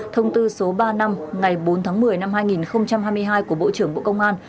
thông tư số ba năm ngày bốn tháng một mươi năm hai nghìn hai mươi hai của bộ trưởng bộ công an